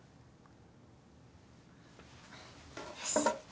よし。